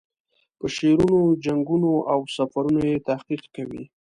په شعرونو، جنګونو او سفرونو یې تحقیق کوي.